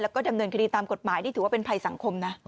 แล้วก็ดำเนินคดีตามกฎหมายนี่ถือว่าเป็นภัยสังคมนะ